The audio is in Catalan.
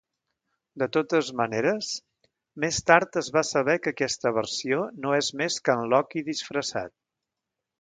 De totes maneres, més tard es va saber que aquesta versió no és més que en Loki disfressat.